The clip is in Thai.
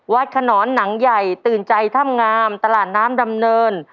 ขนอนหนังใหญ่ตื่นใจถ้ำงามตลาดน้ำดำเนิน